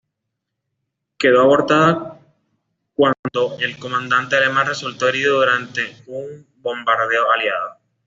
Quedó abortada cuando el comandante alemán resultó herido durante un bombardeo aliado.